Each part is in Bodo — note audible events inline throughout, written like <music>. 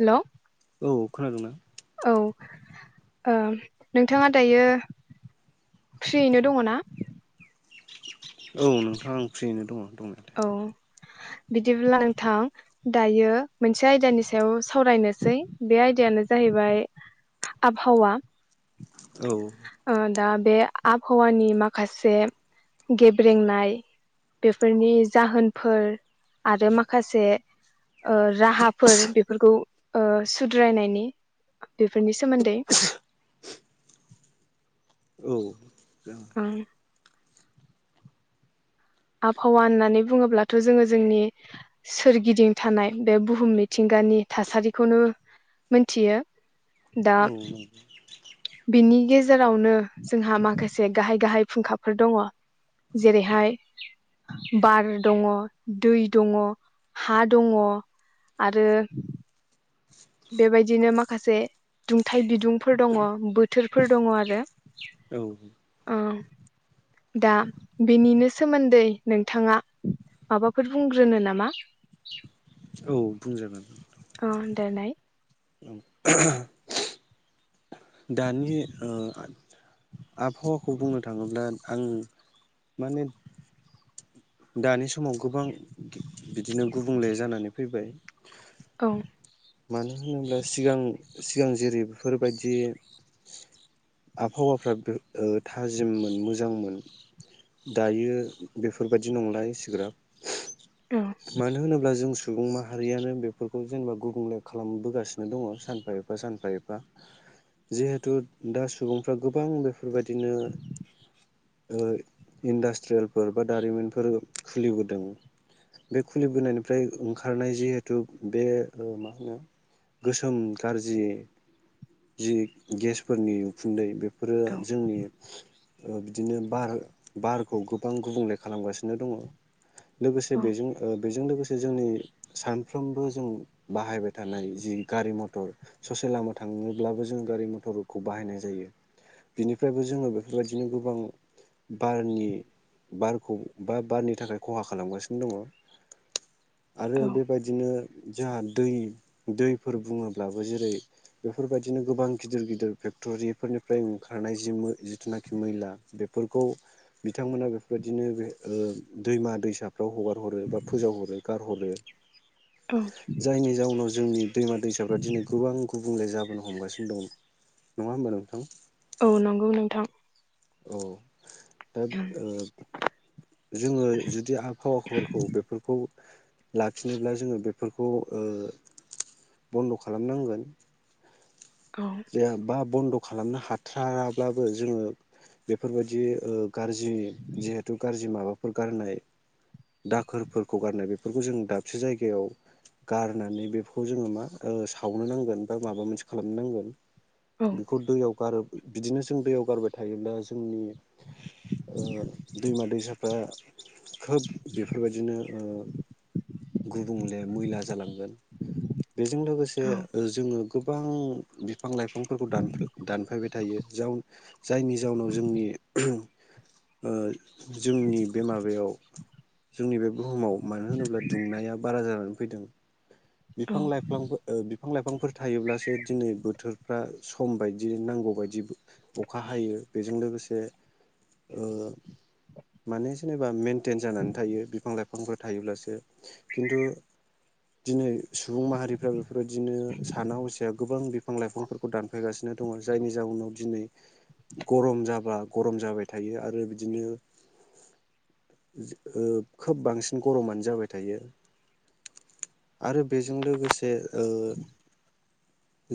हेलौ औ खोनादोंना औ ओ नोंथाङा दायो फ्रियैनो दङ ना? औ नोंथां आं फ्रियैनो दङ। दंनायालाय औ बिदिब्ला नोंथां दायो मोनसे आयदानि सायाव सावरायनोसै बे आयदायानो जाहैबाय आबहावा। औ अ दा बे आबहावानि माखासे गेब्रेंनाय बेफोरनि जाहोनफोर आरो माखासे ओ राहाफोर बेफोरखौ ओ सुद्रायनायनि बेफोरनि सोमोन्दै औ ओं आबहावा होननानै बुङोब्लाथ' जोङो जोंनि सोरगिदिं थानाय बे बुहुम मिथिंगानि थासारिखौनो मोनथियो। दा बिनि गेजेर जेरावनो जोंहा माखासे गाहाय गाहाय फुंखाफोर दङ जेरैहाय बार दङ दै दङ हा दङ आरो बेबायदिनो माखासे दुंथाइ बिदुं फोर दङ बो थोरफोर दङ आरो औ ओ दा बेनिनो सोमोन्दै नोंथाङा माबाफोर बुंग्रोनो नामा औ बुंजागोन दोरनाय <unintelligible> दानि ओ आबहावाखौ बुंनो थाङोब्ला आं माने दानि समाव गोबां बिदिनो गुबुंले जानानै फैबाय औ मानो होनोब्ला सिगां सिगां जेरै बेफोरबायदि आबहावाफ्रा ओ थाजिममोन मोजांमोन दायो बेफोर बायदि नंलाय एसिग्राब औ मानो होनोब्ला जों सुबुं माहारियानो बेफोरखौ जेनेबा गुबुंले खालामबोगासिनो दङ सानफा एफा सानफा एफा जिहेथु दा सुबुंफ्रा गोबां बे फोरबायदिनो ओ इन्डास्ट्रियेलफोर बा दारिमिनफोर खुलिबोदों बे खुलिबोनायनिफ्राय ओंखारनाय जिहेथु बे मा होनो गोसोम गाजाज्रि जि गेसफोरनि उखुन्दै बेफो फोरो औ जोंनि बिदिनो बार बारखौ गोबां गुबुंले खालामगासिनो दङ लोगोसे औ बेजों ओ बेजों लोगोसे जोंनि सानफ्रोमबो जों बाहायबाय थानाय जि गारि मथर ससे लामा थाङोब्लाबो जों गारि मथरखौ बाहायनाय जायो बिनिफ्रायबो जोङो बेफोरबायदिनो गोबां बारनि बार <unintelligible> <unintelligible> बारनि थाखाय खहा खालामगासिनो दङ आरो औ बेबायदिनो जोंहा दै दैफोर बुङोब्लाबो जेरै बेफोरबायदिनो गोबां गिदिर गिदिर फेक्ट'रिफोरनिफ्राय ओंखारनाय जि जिथुनाखि मैला बेफोरखौ बिथांमोना बेफोरबायदि बिदिनो बे ओ दैमा दैसा फ्राव हगार हरो बा फोजाव हरो गारहरो औ जायनि जाउनाव जोंनि दैमा दैसाफ्रा दिनै गोबां गुबुंले जाबोनो हमगासिनो दं नङा होमबा नोंथां औ नंगौ नोंथां औ दा औ ओ जोङो जुदि आबहावाफोरखौ बेफोरखौ लाखिनोब्ला जोङो बे बेफोरखौ ओ बन्द' खालामनांगोन औ <unintelligible> बन्द' खालामनो हाथाराब्लाबो जोङो बेफोरबायदि ओ गाज्रि जिहेथु गाज्रि माबाफोर गारनाय दाखोरफोरखौ गारनाय बेफोरखौ जों दाबसे जायगायाव गारनानै बेफोरखौ जोङो मा ओ सावनो नांगोन बा माबा मोनसे खालामनो नांगोन बेखौ दैयाव <unintelligible> बिदिनो जों दैयाव गारबाय थायोब्ला जोंनि ओ दैमा दैसाफ्रा खोब बेफोरबायदिनो ओ गुबुंले मैला जालांगोन बेजों लोगोसे औ जोङो <unintelligible> गोबां <unintelligible> बिफां लाइफांफोरखौ दानफायबाय थायो जायनि जाउनाव जोंनि जोंनि बे माबायाव जोंनि बे बुहुमाव मानो होनोब्ला दुंनाया बारा जानानै फैदों औ बिफां लाइफां बिफां लाइफां <unintelligible> थायोब्लासो दिनै बोथोरफ्रा सम बायदि नांगौ बायदि अखा हायो बेजों लोगोसे ओ माने जेनेबा मेेनटेन जानानै थायो बिफां लाइफांफोर थायोब्लासो खिन्थु दिनै सुबुं माहारिफ्रा बेफोरबायदिनो साना हसिया गोबां बिफां लाइफांफोरखौ दानफायगासिनो दङ जायनि जाउनाव दिनै गरम जाबा गरम जाबाय थायो आरो बिदिनो खोब बांसिन गरमानो जाबाय थायो आरो बेजों लोगोसे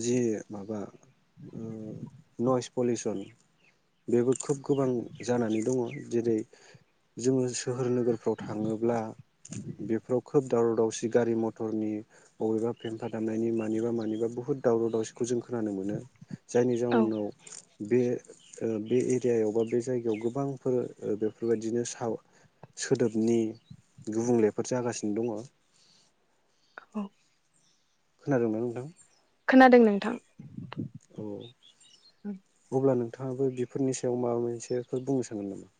जि माबा नयस पलिउसन बेबो खोब गोबां जानानै दङ जेरै जोङो सोहोर नोगोरफ्राव थाङोब्ला बेफोराव खोब दावराव दावसि गारि मथर <unintelligible> फेम्फा दामनायनि मानिबा मानिबा बहुत दावराव दावसिखौ जों खोनानो मोनो जायनि औ जाउनाव बे ओ बे एरियायाव बा बे जायगायाव गोबांफोर बेफोरबायदिनो ओ स सोदोबनि गुबुंलेफोर जागासिनो दङ औ खोनादों ना नोंथां खोनादों नोंथां औ अब्ला नोंथाङाबो बेफोरनि सायाव माबा मोनसेफोर बुंनो सांगोन नामा?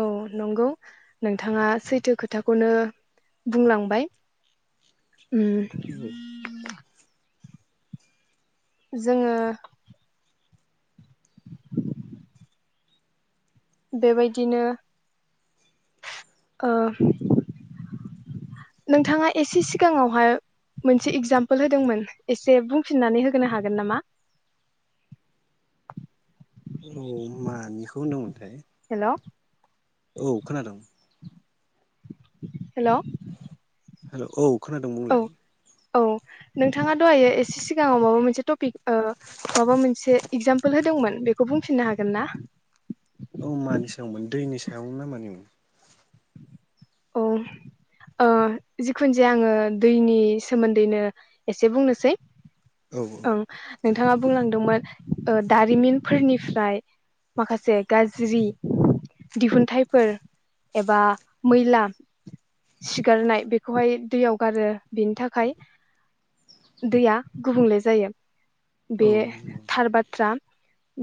औ नंगौ नोंथाङा सैथो खोथाखौनो बुंलांबाय। उम <inaudible> जोङो <inaudible> बेबायदिनो ओ नोंथाङा एसे सिगाङावहाय मोनसे एगजामपोल होदोंमोन एसे बुंफिननानै होनो हागोन नामा? औ मानिखौ होनदोंमोन हेलौ। औ खोनादों। हेलौ। हेलौ औ। खोनादों बुंलाय औ नोंथाङा दहायो एसे सिगाङाव माबा मोनसे टपिक ओ माबा मोनसे एगजामपोल होदोंमोन बेखौ बुंफिननो हागोन ना औ मानि सायावमोन दैनि सायाव ना मानिमोन औ ओ जिखुनु जाया आङो दैनि सोमोन्दैनो एसे बुंनोसै औ ओं नोंथाङा बुंलांदोंमोन। ओ दारिमिनफोरनिफ्राय माखासे गाज्रि दिहुनथाइफोर एबा मैला सिगारनाय बेखौहाय दैयाव गारो बेनि थाखाय दैया गुबुंले जायो। औ बे नंगौ थार बाथ्रा।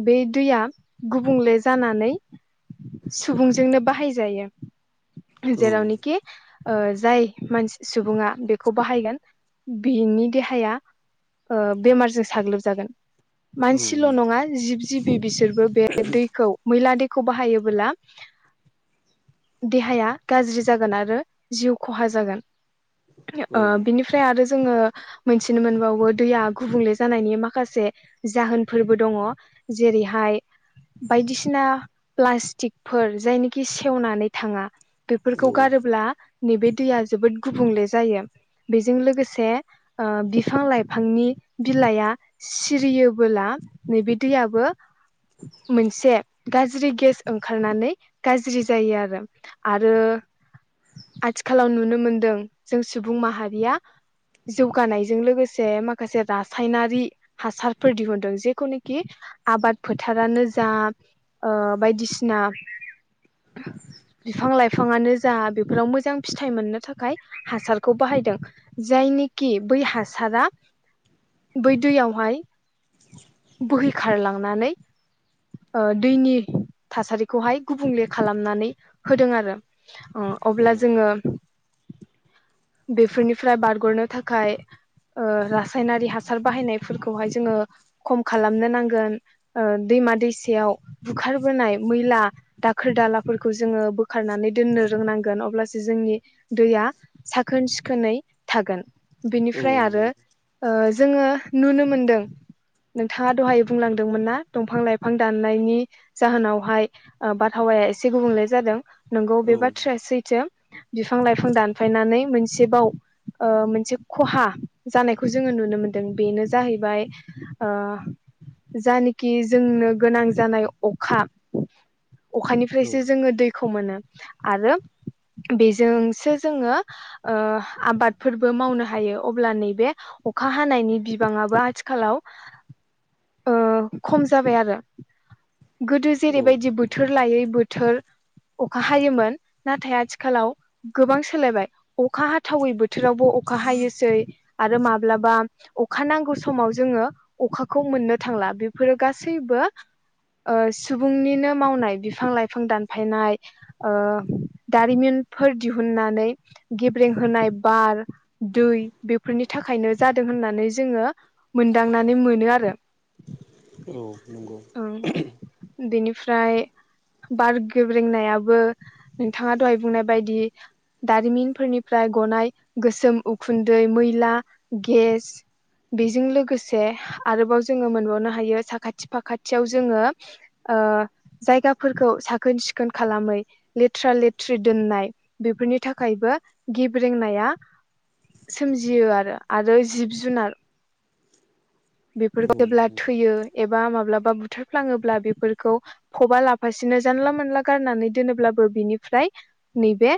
बे दैया गुबुंले जानानै सुबुंजोंनो बाहायजायो। औ जेरावनिखि ओ जाय मानसि सुबुङा बेखौ बाहायगोन बिनि देहाया ओ बेमारजों साग्लोबजागोन। औ मानसिल' नंगौ नङा जिब जिबि बिसोरबो बे दैखौ मैला दै खौ बाहायोबोला देहाया गाज्रि जागोन आरो जिउ खहा जागोन। <unintelligible> औ बिनिफ्राय आरो जोङो मोनथिनो मोनबावो दैया गुबुंले जानायनि माखासे जाहोनफोरबो दङ'। जेरैहाय बायदिसिना प्लास्टिकफोर जायनिखि सेवनानै थाङा। औ बेफोरखौ गारोब्ला नैबे दैया जोबोद गुबुंले जायो। बेजों लोगोसे ओ बिफां लाइफांनि बिलाइआ सिरियोबोला नैबे दैयाबो मोनसे गाज्रि गेस ओंखारनानै गाज्रि जायो आरो आरो आथिखालाव नुनो मोनदों जों सुबुं माहारिया जौगानायजों लोगोसे माखासे रासायनारि हासारफोर दिहुनदों। जेखौनोखि आबाद फोथारानो जा ओ बायदिसिना बिफां लाइफाङानो जा बेफोराव मोजां फिथाइ मोननो थाखाय हासारखौ बाहायदों। जायनिखि बै हासारा बै दैयावहाय बोहैखारलांनानै ओ दैनि थासारिखौहाय गुबुंले खालामनानै होदों आरो अ' अब्ला जोङो बेफोरनिफ्राय बारगनो थाखाय ओ रासायनारि हासार बाहायनायफोरखौहाय जोङो खम खालामनो नांगोन। ओ दैमा दैसायाव बुखारबोनाय मैला दाखोर दालाफोरखौ जोङो बोखारनानै दोननो रोंनांगोन अब्लासो जोंनि दैया साखोन सिखोनै थागोन। औ बिनिफ्राय आरो ओ जोङो नुनो मोनदों। नोंथाङा दहाय बुंलांदोंमोन ना दंफां लाइफां दाननायनि जाहोनावहाय ओ बारहावाया एसे गुबुंले जादों। नंगौ औ बे बाथ्राया सैथो। बिफां लाइफां दानफायनानै मोनसेबाव ओ मोनसे खहा जानायखौ जोङो नुनो मोनदों। बेनो जाहैबाय ओ जानखि जोंनो गोनां जानाय अखा नंगौ अखानिफ्रायसो जोङो खौ मोनो आरो बेजोंसो जोङो ओ आबादफोरबो मावनो हायो अब्ला नैबे अखा हानायनि बिबाङाबो आथिखालाव ओ खम जाबाय आरो गोदो औ जेरैबायदि नंगौ बोथोर लायै बो थोर अखा हायोमोन। नाथाय आथिखालाव गोबां सोलायबाय अखा हाथावै बोथोरावबो अखा हायोसै आरो माब्लाबा अखा नांगौ समाव जोङो अखाखौ मोननो थांला बेफोरो गासैबो ओ सुबुंनिनो मावनाय बिफां लाइफां दान फायनाय ओ दारिमिनफोर दिहुननानै गेब्रें होनाय बार, दै बेफोरनि थाखायनो जादों होननानै जोङो मोनदांनानै मोनो आरो औ नंगौ। ओं बेनिफ्राय बार गोेब्रेंनायाबो नोंथाङा दहाय बुंनाय बायदि दारिमिनफोरनिफ्राय गनाय गोसोम उखुन्दै, मैला गेस बेजों लोगोसे आरोबाव जोङो मोनबावनो हायो साखाथि फाखाथियाव जोङो ओ जायगाफोरखौ सा खोन सिखोन खालामै लेथ्रा लेथ्रि दोननाय बेफोरनि थाखायबो गेब्रेंनाया सोमजियो आरो। आरो जिब जुनार बेफोर जेब्ला थैयो एबा माब्ला बा बुथारफ्लाङोब्ला बेफोरखौ फबा लाफासेनो जानला मानला गारनानै दोनोब्लाबो बिनिफ्राय नैबे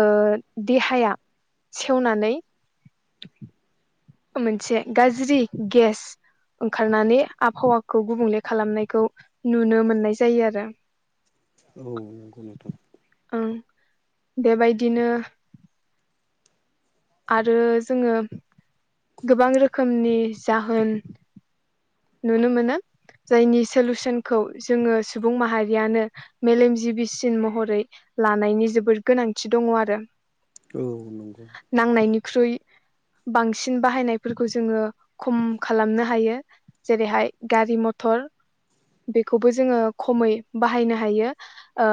ओ देहाया सेवनानै मोनसे गाज्रि गेस ओंखारनानै आबहावाखौ गुबुंले खालामनायखौ नुनो मोननाय जायो आरो औ नंगौ नोंथां। ओं बेबायदिनो आरो जोङो गोबां रोखोमनि जाहोन नुनो मोनो। जायनि सलुसनखौ जोङो सुबुं माहारियानो मेलेमजिबिसिन महरै लानायनि जोबोद गोनांथि दङ 'आरो। औ नंगौ नांनायनिख्रुइ बांसिन बाहायनायफोरखौ जोङो खम खालामनो हायो। जेरैहाय गारि मटर बेखौबो जोङो खमै बाहायनो हायो। ओ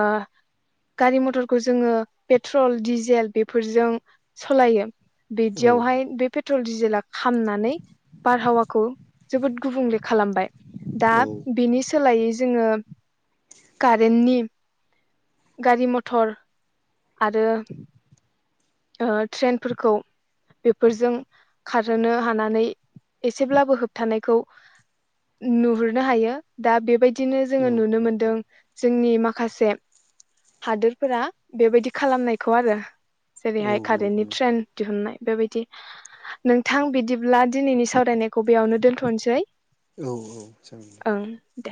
गारि मटरखौ जोङो पेट्रल डिजेल बेफोरजों सालायो। औ बिदियावहाय बे पे ट्रल डिजेला खामनानै बारहावाखौ जोबोद गुबुंले खालामबाय दा औ औ बिनि सोलायै जोङो कारेन्टनि गारि मथर आरो ओ ट्रेनफोरखौ बेफोरजों खारहोनो हानानै एसेब्लाबो होबथानो हानायखौ नुहरनो हायो। दा बे बाय बिदिनो जोङो नुनो नंगौ मोन्दों जोंनि माखा माखासे हादोरफोरा बेबायदि खालामनायखौ आरो औ जेरैहाय नंगौ खारेननि नोंथां ट्रेन दिहुननाय बेबायदि नोंथां बिदिब्ला दिनैनि सावरायनायखौ बेयावनो दोन्थ'नोसै औ औ जागोन दे दे